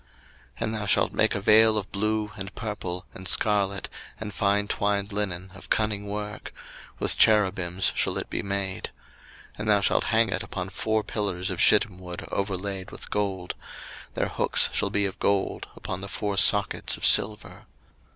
02:026:031 And thou shalt make a vail of blue, and purple, and scarlet, and fine twined linen of cunning work: with cherubims shall it be made: 02:026:032 And thou shalt hang it upon four pillars of shittim wood overlaid with gold: their hooks shall be of gold, upon the four sockets of silver.